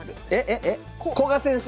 古賀先生！